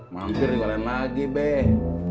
mampir juga lain lagi beh